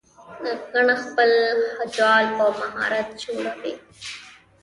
غڼه خپل جال په مهارت جوړوي